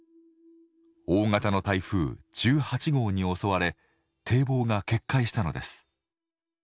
大型の台風１８号に襲われ堤防が決壊したのです。